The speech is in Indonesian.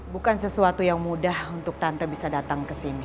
bukan sesuatu yang mudah untuk tante bisa datang ke sini